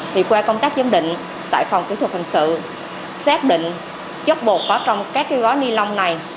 thì qua công tác giám định tại phòng kỹ thuật phòng sự xét định chất bột có trong các cái gói ni lông